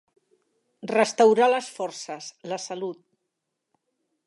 Restaurar les forces, la salut.